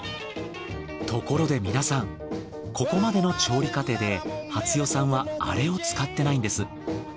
ところで皆さんここまでの調理過程ではつ代さんはあれを使ってないんです。